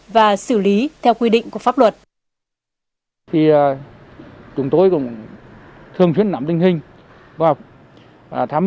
và xử lý theo quy định của pháp luật